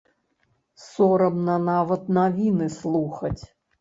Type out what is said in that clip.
Сорамна нават навіны слухаць.